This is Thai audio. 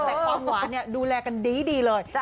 แต่ความหวานดูแลกันดีเลย